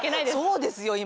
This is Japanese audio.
そうですよ今。